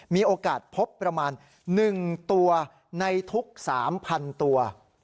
มีโอกาสพบประมาณ๑ตัวในทุก๓๐๐๐ตัว